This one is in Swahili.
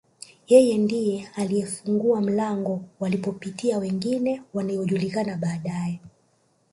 Yeye ndiye aliyefungua mlango walipopitia wengine waliojulikana baadae